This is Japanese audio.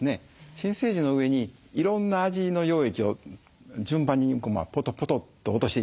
新生児の上にいろんな味の溶液を順番にポトポトと落としていったんですね。